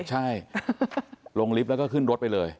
ใช่ลงลิฟต์แล้วก็ขึ้นรถไปเลย